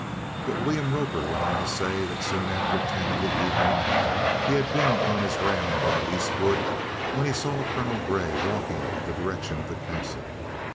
But William Roper went on to say that soon after ten in the evening he had been on his round in the East wood, when he saw Colonel Grey walking in the direction of the Castle.